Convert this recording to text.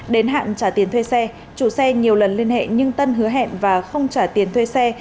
đến hạn trả tiền thuê xe chủ xe nhiều lần liên hệ nhưng tân hứa hẹn và không trả tiền thuê xe